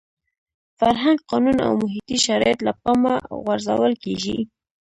فرهنګ، قانون او محیطي شرایط له پامه غورځول کېږي.